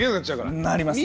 なりますね。